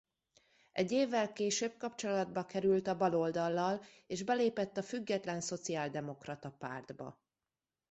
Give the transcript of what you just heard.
Egy évvel később kapcsolatba került a baloldallal és belépett a Független Szociáldemokrata Pártba.